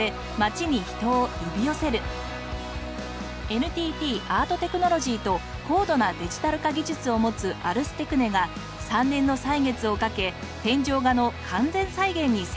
ＮＴＴアートテクノロジーと高度なデジタル化技術を持つアルステクネが３年の歳月をかけ天井画の完全再現に成功。